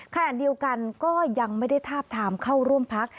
ขณะเดียวกันก็ยังไม่ได้ทาบทามเข้าร่วมพัก